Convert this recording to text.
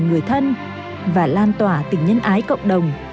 người thân và lan tỏa tình nhân ái cộng đồng